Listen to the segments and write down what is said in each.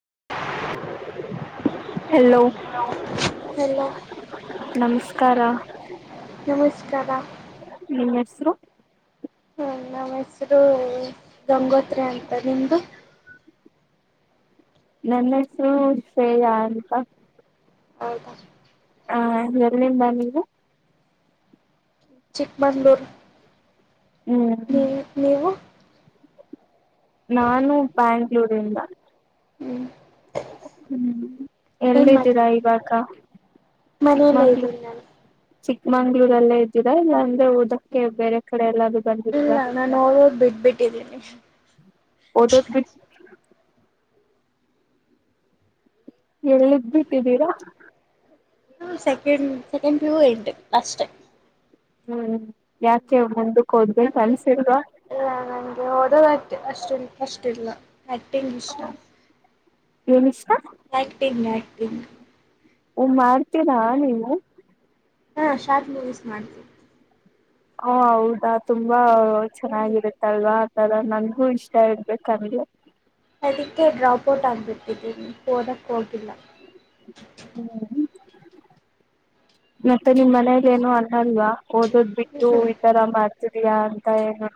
[unintelligible] Hello hello ನಮಸ್ಕಾರ [unintelligible] ನಮಸ್ಕಾರ [unintelligible] ಇಸ್ರೋ ನನ್ನ ಹೆಸರೂ ಗಂಗೋತ್ರಿ ಅಂತ ನಿಮ್ದು ನನ್ನ ಹೆಸರು ಶ್ರೆಯಾ ಅಂತ ಹೌದ [inaudible] ಹಾ ಎಲ್ಲಿಂದ ನೀವು ಚಿಕ್ಮಂಗ್ಳುರ್ ಹ್ಮ್ [inaudible] ನೀವು ನಾನು ಬ್ಯಾಂಗ್ಳೂರಿಂದ [inaudible] ಎಲ್ಲಿದ್ದೀರಾ ಇವಾಗ ಮನೆಲೆ ಇದ್ದೀನಿ ನಾನು ಮಂಗ್ಳೂರಲ್ಲೇ ಇದ್ದಿದೆ [inaudible] ಬೇರೆ ಕಡೆ ಎಲ್ಲ ಇಲ್ಲ ನಾು ನೋಡೋದ್ ಬಿಟ್ಬಿಟ್ಟಿದ್ದೀನಿ ಓದೋದ್ಬಿ ಎಲ್ಲಿಗ್ ಬಿಟ್ಟಿದ್ದೀರಾ ಹ ಸೆಕೆಂಡ್ ಸೆಕೆಂಡ್ [inaudible] ಅಷ್ಟೇ ಹ್ಮ್ ಯಾಕೆ ಬಂದು [unintelligible] ಕಲ್ಸಲ್ವಾ ಓದೋದ ಅಷ್ಟ [unintelligible] ಅಕ್ಟಿಂಗ್ ಇಷ್ಟ ಏನಿಷ್ಟ ಆಕ್ಟಿಂಗ್ ಆಕ್ಟಿಂಗ್ ಓ ಮಾಡ್ತೀರಾ ನೀವು ಹಾಂ ಶಾರ್ಟ್ ಮೂವೀಸ್ ಮಾಡ್ತೀನಿ ಓ ಹೌದಾ ತುಂಬಾ ಚೆನ್ನಾಗಿರುತ್ತಲ್ವಾ [unintelligible] ನನ್ಗೂ ಇಷ್ಟ ಇಡ್ಬೇಕ ಹಂಗೆ ಓದಕ್ಕ ಹೋಗಿಲ್ಲ ಹ್ಮ್ ಮತ್ತೆ ನಿಮ್ ಮನೇೆಯಲ್ಲಿ ಏನು ಅನ್ನಲ್ವಾ ಓದೋದ್ ಹ್ಮ್ ಬಿಟ್ಟು ಈತರ ಮಾಡ್ತಿದಿಯಾ [unintelligible]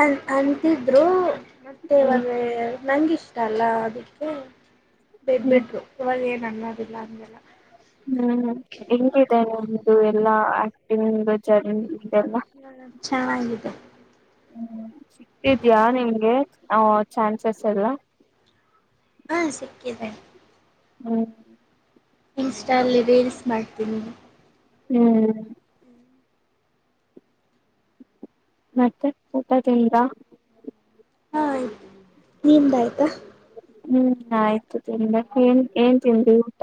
ಅನ್ ಅಂತಿದ್ರು [unintelligible] ಹ್ಮ್ ನಂಗಿಷ್ಟ ಅಲ್ಲ ಅದಕ್ಕೆ ಬೆ ಹ್ಮ್ ಬಿಡ್ರು ಇವಾ [inaudible] [inaudible] ಹಂಗೆಲ್ಲ ಹ್ಮ್ ಹೆಂಗಿದೆ ನಿಮ್ದು ಎಲ್ಲಾ ಆಕ್ಟಿಂಗ್ ದು ಜರ್ನಿ ಹ ಚೆನ್ನಿದ್ದ ಹ್ಮ ಸಿಗ್ತಿದ್ಯಾ ನಿಂ್ಗೆ ಹ ಚಾನ್ಸಸ್ ಎಲ್ಲ ಹಾ ಸಿಕ್ಕಿದೆ ಹ್ಮ ಇನ್ಸ್ಟಲ್ಲಿ ರೀಲ್ಸ್ ಮಾಡ್ತೀನಿ ಹ್ಮ್ ಮತ್ತೆ ಊಟದಿಂದ ಹಾ ಆಯ್ತ ನಿ್ದ ಆಾಯ್ತಾ ಹ್ಮ್ ಆಯ್ತು ತಿ್ರ ಏನ್ ಏನ್ ತಿನ್ಿ ಊಟ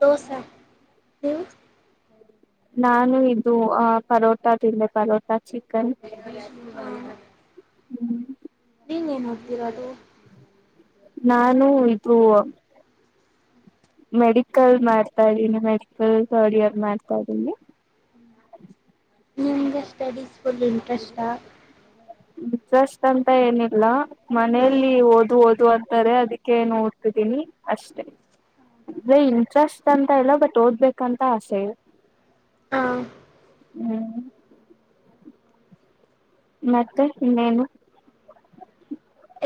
ದೋಸೆ ಹವು ನಾನು ಇದು ಆ ಪರೋಟ ತಿೆ ಪರೋಟಾ ಚಿಕನ್ ಹ್ಮ ಹ್ಮ್ ನೀನ್ ಏನ್ ಮಾಡ್ತೀರಾ ಅದು ನಾನು ಇದು ಮೆಡಿಕಲ್ ಮಾಡ್ತಾ್ದೀನಿ ಮೆಡಿಕಲ್ ರ್ಡ್ ಇಯರ್ ಮಾಡ್ತಲ್ಲಿ ನೀ ಒ ಸ್ಟಡೀಸ್ ಫುಲ್ ಇಂಟ್ರೆಸ್ಾ ಷ್ಟ ಅಂತ ಏನಿಲ್ಲ ಮನಲಿ ಹಾ ಓದ ಓದ ಅ ತಾರೆ ಅದಕ್ಕೆ ನೋಡ್ತಿದ್ದೀನಿ ಅಷ್ಟೇ ಅೆ ಇಂಟ್ರೆಸ್ಟ್ ಂತ ಇಲ್ಲ ಬಟ್ ಓದ್ಬೇಕಂತ ಆಸೆ ಇದೆ ಹ್ಮ್ ಮತ್ತೆ ಇನ್ನೇನು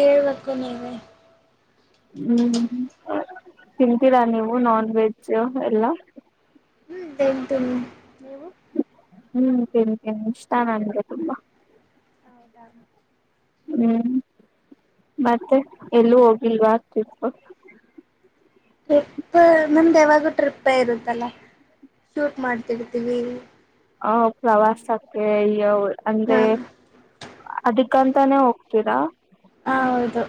ಹೇಳ್ಬೇಕು ನೀವವೆ ಹ್ಮ್ ತಿಂತೀರಾ ನೀವು ನಾನ್ ವೆಜ್ ಎಲ್ಲ ಹ್ಮ್ೇಟು ನೀವು ಹ್ಮ್ ತಿನ್ತೀನಿ ಇಷ್ಟ ನನ್ಗೆ ತುಂಬಾ ಹೌದಾ ಹ್ಮ್ ಮತ್ತೆ ಎಲ್ಲೂ ಹೋಗಿಲ್ವಾ ಆಗ್ತಿತ್ತುತ್ತು ಟ್ರಿಪ್ ಮ್ಯಮ್್ದು ಯಾವಾಗೂ ಟ್ರಿಪ್ಪೇ ಇರುತ್ತಲ್ಲ ಶೂಟ್ ಮಾಡ್ತಿರ್ತೀವಿ ಅ ಪ್ರವಾಸಕ್ಕೆ ಅಂದ್ರೆ ಹಾ ಅದಕ್ಕಂತಾನೇ ಹೋಗ್ತೀರಾ ಹ ಹೌದು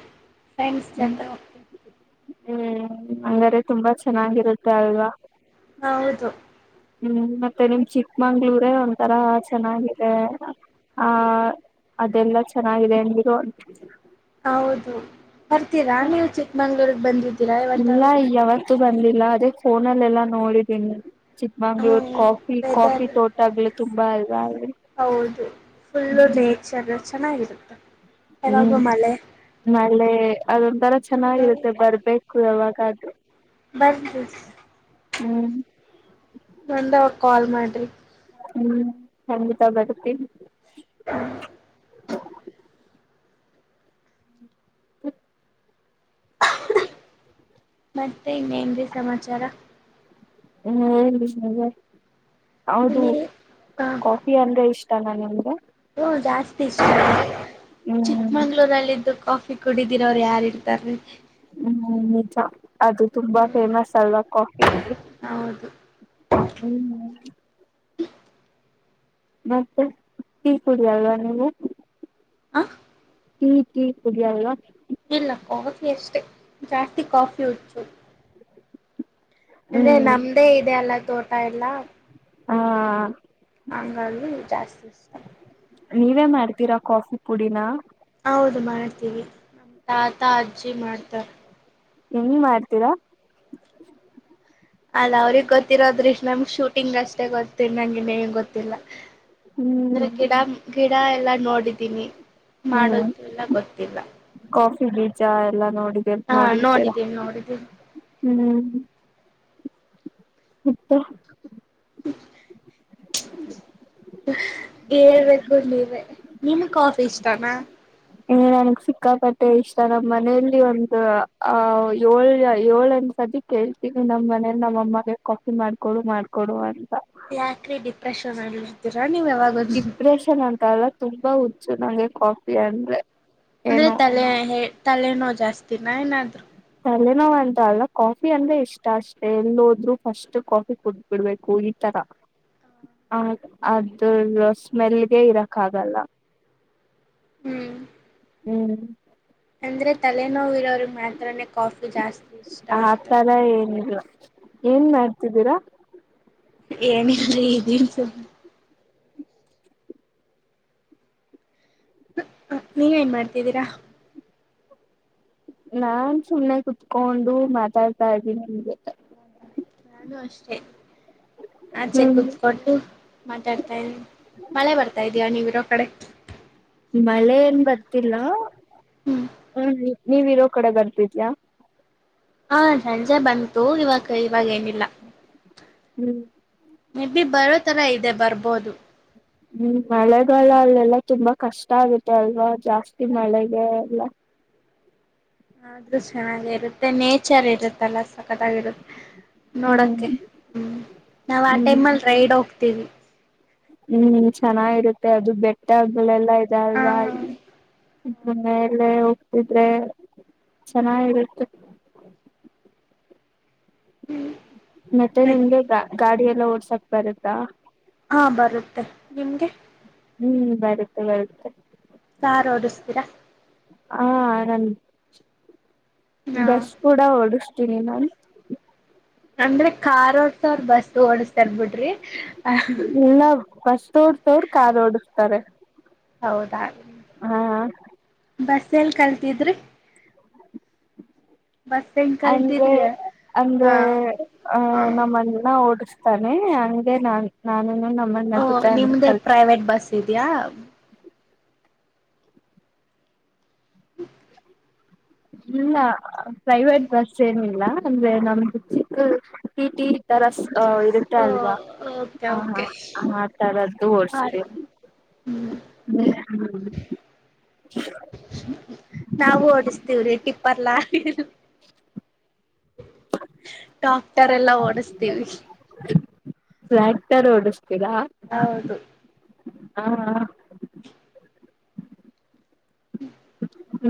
ಫ್ರೆಂಡ್ಸ್ ಜೊತೆ ಹೋಗ್ತೀವಿ ಹ್ಮ ಹ್ಮ್ ಹಂಗಾರೆ ತುಂಬಾ ಚೆನ್ನಾಗಿರುತ್ತೆ ಅಲ್ವಾ ಹೌದು ಹ್ಮ್ ಮತ್ತೆ ನಿಮ್ ಚಿಕ್ಕಮಂಗ್ಳೂರ ಒಂಂತರ ಚೆನ್ನಾಗಿದೆ ಆ ಅದೆಲ್ಲ ಚೆನ್ನಾಗಿದೆ ಅರು ಹೌದು ಬರ್ತೀರಾ ನೀವು ಚಿಕ್ಕಮಂಗ್ಳೂರ್ಗ್ ಬಂದಿದ್ದೀರಾ ಇವತ್ತವು ಬಂದಲಿಲ್ಲ ಅದೇ ಫೋನಲ್ಲ ಎಲ್ಲಾ ನೋಡಿದೀನಿ ಹ ಚಿಕ್ಕಮಂಗ್ಳೂರ್ ಕಾಫಿ ಕಾಫಿ ವೆದರ್ ತೋಟಗ್್ಲ್ಲ ತುಂಬಾ ಅಲ್ವಾ ಹೌದು ಫುಲ್ಲು ಹ್ಮ ನೇಚರ್ ಚೆನ್ನಾಗಿರುತ್ತೆ ಯಾವಾಗೂ ಹ್ಮ್ ಮಳೆ ನಳೆ ಅದೊಥರ ಚೆನ್ನಾಗಿರುತ್ತೆ ಬರ್ಬೇಕು ಯಾವಾಗಾದೆ ಬರ್ರಿ ಹ್ಮ್ ಬಂದಾಗ ಕಾಲ್ ಮಾಡ್ರಿ ಹ್ಮ್ -ಖಂಡಿತ ಬರ್ತ್ತೀ - ಹ್ಮ ಮತ್ತೆ ಇನ್ನೇನ್ಿ ಸಮಾಚಾರ- ಹ್ಮ್- ನೀ ಹೌದು- ಹ್ಞೂ ಕಾಫಿ ಅಂದ್ರೆ ಇಷ್ಟ- ಇಾನ ನಿಮ್ದಗೆ - ಹ ಜಾಸ್ತಿ ಇಷ್ಟ ಹ್ಮ್ ಚಿಕ್ಮಂಗ್ಳೂರಲ್ಲಿದ್ದು ಕಾಫಿ ಕುಡಿದೀರ ಅವ್ರರು ಯಾರ್ ಇರ್ತಾರಿ ಹ್ಮ್- ನಿ ಅದು ತುಂಬಾ ಫೇಮಸ್ ಅಲ್ವಾ ಕಾಫಿ ಹೌದು ಹ್ಮ ಮತ್ತೆ ಟೀ ಕುಡಿಯಲ್ವಾ ನೀವು ಆ ಕ -ಕ ಉುದಿಯಲ್ಲ ಇಲ್ಲ ಕತಿ ಅಷ್ಟೇ ಜಾಸ್ತಿ ಕಾಫಿ ಹಚ್ಚು ಅಂದ್ರೆ ಹ್ಮ್ ನಮ್ದೇ ಇದೆ ಅಲ್ಲ ತೋಟ ಎಲ್ಲ ಹಾ ಆಂಗಗಳು ಜಾಸ್ತಿ ಇಷ್ಟಾರೆ ನೀವೇ ಮಾಡ್ತೀರಾ ಕಾಫಿ ಪುಡಿನ ಹೌದು ಮಾಡ್ತೀವಿ ನಮ್ಮ ತಾತ ಅಜ್ಜಿ ಮಾಡ್ತಾರ ಹೆಂಗ್ ಮಾಡ್ತೀರಾ ಅಲ್ಲ ಅವ್ರಿಗೆ ಗೊತ್ತಿರೋದ್ರಿಷ್ಟ ನಮ್ಗೆ ಇಲ್ಲ ಹ್ಮ್ ಅಂದ್ರೆ ಗಿಡ ಗಿಡ ಎಲ್ಲಾ ನೋಡಿದೀನಿ ಹ್ಮ್ ಮಾಡೋದು ಎಲ್ಲ ಗೊತ್ತಿಲ್ಲ ಚಾ ಎಲ್ಲ ನೋ ಡು ಹಾ ನೋಡಿತೀರ ನೋಡಿದ್ದೀನಿ ನೋಡಿದ್ದೀನಿ ಹ್ಮ್ ಹತ್ತ ಹೇಳ್ಬೇಕು ನೀ್ರ ನಿಮ ಕಾಫಿ ಇಷ್ಟಾನ ಇ ನನ್ಗ್ ಸಿಕ್ಕಾಪಟ್ಟೆ ಇಷ್ಟ ನಮ್ಮ್ ಮನೇಲಿ ಒಂದ ಆ ಏಳ್ ಏಳಂದ್ಸತಿ ಕೇಳ್ತೀಿ ನಮ್ ಮನೇಲಿ ನಮ್ಮ ಅಮ್ಮಗೆ ಕಾಫಿ ಮಾಡ್ಕೊಡು ಮಾಡ್ಕೊಡು ಅಂತ ಯಾಕ್ರಿ ಡಿಪ್ರೆಷನ್ ಅಲ್ಲಿ ಇರ್ತೀರಾ ನೀವ್ ಯಾವಾಗ ಇಪ್ರೆಷನ್ ಉಂಟ ಅಲ್ಲ ತುಂಬಾ ಹುಚ್ಚು ನಂಗೆ ಕಾಫಿ ಅಂದ್ರೆ ಅಂದ್ರೆ ಏನು ತಲೆ ಹ ತಲೆನೋ ಜಾಸ್ತಿ ದಿನ ಏನಾದ್ರು ಇೋ ಅಂತ ಅಲ್ಲ ಕಾಫಿ ಅಂದ್ರೆ ಇಷ್ಟ ಅಷ್ಟೆ ಎಲ್ಲಿೋದ್ರೂ ಫಸ್ಟ್ ಕಾಫಿ ಕುುದಬಿಡ್ಬೇಕು ಈ ತರ ಅದ ಸ್ಮೆಲ್ಗೆ ಇರಕ್ ಆಗಲ್ಲ ಹ್ಮ್ ಹ್ಮ್ [inaudible] ಅಂದ್ರೆ ತಲೆನೋ ಇರೋ ಮಾತ್ರೇ ಕಾಫಿ ಜಾಸ್ತಿ ಇಷ್ಟ ಅಂತೆ ಆತರ ಏನಿಲ್ಲ ಏನ್ ಮಾಡ್ತಿದ್ದೀರಾ ಏನಿಲ್ ಇದೀನ್ ಸುಮ್ ನೀವ್ ನಏನ್ ಮಾಡ್ತಿದ್ದೀರಾ ನಾನ್ ಸುಮ್ನೆ ಕುತ್ಕೊಂಡು ಮಾತಾಡ್ತಾ ಇದ್ದೀನಿ ನಿ [unintelligible] ನಾನು ಅಷ್ಟೆ ಆಚೆ ಹ್ಮ್ ಕೂತ್ಕೊಂಡು ಮಾತಾಡ್ತಾ ಇದೀನಿ ಮಳೆ ಬರ್ತಾ ಇದೀಯ ನೀವ್ ಇರೋ ಕಡೆ ಮಳೆ ಏನ್ ಬರ್ತಿಲ್ಲ ಹ್ಮ್ ಹ ನೀವ್ ಇರೋ ಕಡೆ ಬರ್ತಿದ್ಯಾ ಹಾ ಸಂಜೆ ಬಂತು ಇವಾಗ ಕಡಿಮ್ ಏನಿಲ್ಲ ಹ್ಮ್ ಮೆಬ್ಬಿ ಬರೋತರ ಇದೆ ಬರ್ಬೋದು ಹ್ಮ್ ಮಳೆಗಾಲ ಅಲ್ಲೆಲ್ಲ ತುಂಬಾ ಕಷ್ಟ ಆಗುತ್ತೆ ಅಲ್ವಾ ಜಾಸ್ತಿ ಮಳೆಗೆ ಎಲ್ಲ ಆದ್ರೂ ಚೆನ್ನಾಗೆ ಇರುತ್ ಮತ್ತೆ ನೇಚರ್ ಇರುತ್ತಲ್ಲ ಸಕ್ಕತಾಗೀರ್ ಹ್ಮ್ ನೋಡಕೆ ಹ್ಮ್ ನಾವು ಆ ಹ್ಮ್ ಟೈಮ್ ಅಲ್ಲಿ ರೈಡ್ ಹೋಗ್ತೀವಿ ಹ್ಮ್ ಚೆನ್ನಾಗಿರುತ್ತೆ ಅದು ಬೆಟ್ಟ ಗಳೆಲ್ ದಲ್ ಆ [unintelligible] ಮೇಲೆ ಹೋಗ್ತಿದ್ರೆ ಚೆನ್ನಾಗಿರುತ್ತೆ ಮತ್ತೆ ನಿಮ್ಗೆ ಗಾಡಿ ಎಲ್ಲ ಓಡ್ಸಕ್ ಬರುತಾ ಹಾ ಬರುತ್ತೆ ನಿಮ್ಗೆ ಹ್ಮ್ ಬರುತ್ತೆ ಬರುತ್ತೆ ಕಾರ್ ಓಡಿಸ್ತೀರ ಹಾ ಆರಾಮ ಹಾ ಬಸ್ ಕೂಡ ಓಡ್ಸ್ [unintelligible] ಅಂದ್ರೆ ಕಾರ್ ಒಡ್ಸವರ್ ಅವರು ಬಸ್ ಓಡಸ್ತರ್ ಬಿಡ್ರಿ ಹ ಇಲ್ಲ ಬಸ್ ಓಡ್ಸೋರು ಕಾರ್ ಓಡಿಸ್ತಾರೆ ಹೌದ್ ದಾ ಹಾ ಬಸ್ ಎಲ್ ಕಲ್ತಿದ್ರಿ ಬಸ್ ಹೆಂಗ್ ಅಂದ್ರೆ ಕಲ್ತಿದ್ರಿ ಅಂದ್ರೆ ಹಾ ಅ ಹಾ ನಮ್ಮನ್ನ ಓಡ್ಸ್ ತನೆ ಹಂಗೆ ನಾನ್ ನಾನು ಓ ನಿಮ್ದೇ ಪ್ರೈವೇಟ್ ಬಸ್ ಇದಿಯಾ [inaudible] ಇಲ್ಲ ಪ್ರೈವೇಟ್ ಬಸ್ ಏನಿಲ್ಲ ಅಂದ್ರೆ ನಮ್ದ್ ಚಿಕ್ಕ ಟಿಟಿ ತರ ಇರುತ್ತೆ ಓ ಅಲ್ವಾ ಓಕೆ ಹ ಹ ಓಕೆ ಆ ತರದ್ದು ಓಡ್ಸ್ತ ಹ್ಮ್ ಹ್ಮ [inaudible] ನಾವು ಪ ಉ ರಟಿಪ್ಪರ್ಲ ಟಾಕ್ಟರ್ ಎಲ್ಲಾ ಓಡಿಸ್ತೀವಿ ಕ್ತೋಡಷ್ಟ ಕದ ಹೌದು ಹಾ ಹಾ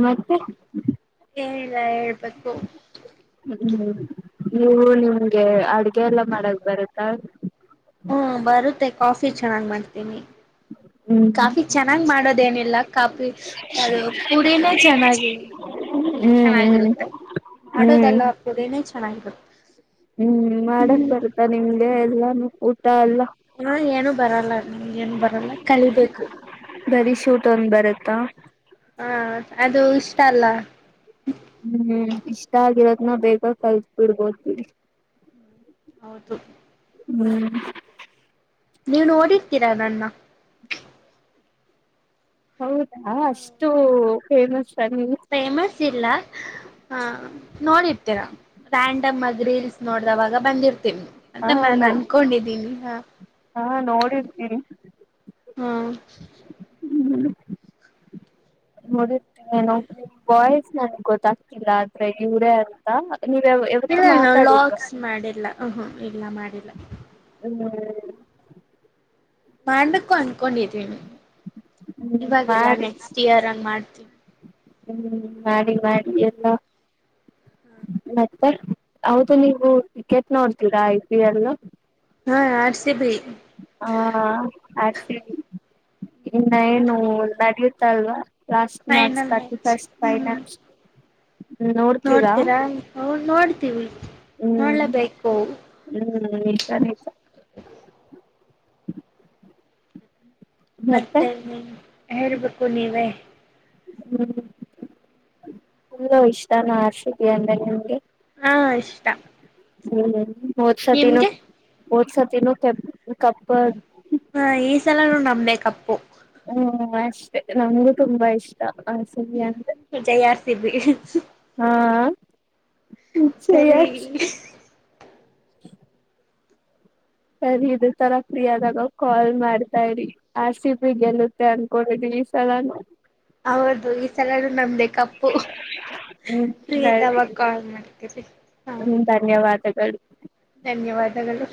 ಮತ್ತೆ ಏನಿಲ್ಲಾ ಹೇಳ್ಬೇಕು ಹ್ಮ ಹ್ಮ್ ನೀವು ನಿಮ್ಗೆ ಅಡ್ಗೆ ಎಲ್ಲ ಮಾಡಕ್ ಬರುತ್ತಾ ಹ್ಮ ಬರುತ್ತೆ ಕಾಫಿ ಚೆನ್ನಾಗ್ ಮಾಡ ತಿನಿ ಹ್ಮ್ ಹ್ಮ್ ಕಾಫಿ ಚೆನ್ನಾಗ್ ಮಾಡೋದೇನಿಲ್ಲ ಕಾಫಿ ಅದು ಪುಡಿನೇ ಚೆನ್ನಾಗಿ ಹ್ಮ್ ಚೆನ್ನಾಗಿರುತ್ತೆ ಹ್ಮ್ ಮಾಡೋದಲ್ಲ ಪುಡಿನೇ ಚೆನ್ನಾಗಿ ಹ್ಮ್ ಮಾಡಕ್ ಬರ್ತ ನಿಮ್ ಇ ಎಲ್ಲಾನು ಊಟ ಎಲ್ಲ ಹಾ ಏನು ಬರಲ್ಲ ನಮ್ ಏನು ಬರಲ್ಲ ಕಲಿಬೇಕು ತ್ತಾ ಹಾ ಅದು ಇಷ್ಟ ಅಲ್ಲ ಹ್ಮ್ ಇಷ್ಟ ಆಗಿರೋದ ನ ಬೇಗ ಕಲ್ತ್ ಬಿಡ್ಬೇಕು ಹೌದು ಹ್ಮ್ ನೀವು ನೋಡಿರ್ತೀರಾ ನನ್ನ ಹೌದಾ ಅಷ್ಟು ಫೇನಸ್ ಫೇಮಸ್ ಇಲ್ಲ ನೋಡಿರ್ತೀರಾ ರ್ಯಾಂಡಮ್ ಆಗ ರೀಲ್ಸ್ ನೋಡ್ದವಾಗ ಬಂದಿರ್ತ ಅಂತ ಹಾ ನೋ ನಾನನ್ ಅನ್ಕೊಂಡಿದ್ದೀನಿ ಹ ಹಾ ನೋಡಿರ್ತೀರಿ ಹ್ಮ ಹ್ಮ ನೋಡಿರ್ತೀನಿ ನ ಬಾಯ್ಸ್ ನನ್ಗ್ ಗೊತ್ತಾಗ್ತಿಲ್ಲ ಅತ್ರ ಇವರೇ ಅಂತ ನೀವ್ ಯಾವ್ ಯಾವತ್ತೂ ಇಲ್ಲ ನಾ ಮಾತಾಡಿಲ್ವಾ. ಲಾಕ್ಸ್ ಮಾಡಿಲ್ಲ ಹ್ಮ ಇಲ್ಲ ಮಾಡಿಲ್ಲ ಹ್ಮ ಮ್ಯಾಂಡಕ್ಕೂ ಅನ್ಕೊಂಡಿರಿಣ ಹ್ಮ್ ಇವಾಗೆಲ್ಲ ಮಾಡಿ ನೆಕ್ಸ್ಟ್ ಇಯರ್ ಹಂಗ್ ಮಾಡ್ತೀವಿ ಹ್ಮ್ ಮಾಡಿ ಮಾಡಿ ಎಲ್ಲಾ ಮತ್ತೆ ಹೌದು ನೀವು ಕ್ರಿಕೆಟ್ ನೋಡ್ತೀರಾ ಐ ಪಿ ಎಲ್ ಹಾ ಆರ್ ಸಿ ಬಿ ಹಾ ಆೇ ಇನ್ನ ಏನು ನಡೆಯುತ್ತ ಅಲ್ವಾ ಲಾಸ್ಟ್ ಮ್ಯಾಚ್ ಫೈನಲ್ ರ್ಟಿ ಫಸ್ಟ್ ಹ್ಮ್ ಫೈನಲ್ ನೋಡ್ತೀರಾ ಹ ನೋಡ್ತೀವಿ ಹ್ಮ್ ನೋಡಲೇಬೇಕು ಹ್ಮ್ ನಿಜ ನಿಜ ಮತ್ತೆ ನೀ ಹೇಳ್ಬೇಕು ನೀವೇ ಹ್ಮ್ ಇಷ್ಟಾನ ಆರ್ಸಿಬಿ ಅಂದ್ರೆ ನಿಮಗೆ ಹಾ ಇಷ್ಟ ಹ್ಮ ಹ್ಮ ಹೋದ ಸತೀನು ನಿಮ್ಗೆ ಹೊದ್ಸತಿನು ಕಬ್ಬು ಕಪ್ ಹ ಈ ಸಲನೂ ನಮ್ಡೇ ಕಪ್ಪು ಹ್ಮ ಅಷ್ಟೆ ನಮಗು ತುಂಬಾ ಇಷ್ಟ ಆರ್ ಸಿ ಬಿ ಅಂದ್ರೆ ಜೈ ಆರ್ಸಿಬಿ ಜೈ ಆರ್ಸಿಬಿ ಸರಿ ಇದೆ ತರ ಫ್ರೀ ಆದಾಗ ಕಾಲ್ ಮಾಡ್ತಾ ಇರಿ ಆರ್ ಸಿ ಬಿಿ ಗೆಲ್ಲತ್ತೆ ಅನ್ಕೊಂಡಿ ಈ ಸಲಾನ ಹೌದು ಈ ಸಲೂ ನಮ್ದ ಕಪ್ಪು ಹ್ಮ್ ಫ್ರೀ ಸರಿ ಇದ್ದವಾಗ ಕಾಲ್ ಮಾಡ್ತೀರಿ ಹ ಹ್ಮ್ [unintelligible] ಧನ್ಯವಾದಗಳು